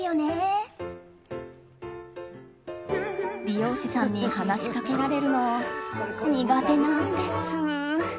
美容師さんに話しかけられるの苦手なんです。